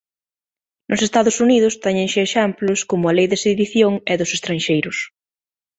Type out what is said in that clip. Nos Estados Unidos téñense exemplos como a lei de sedición e dos estranxeiros.